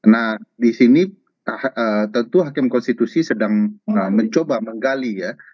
nah di sini tentu hakim konstitusi sedang mencoba menggali ya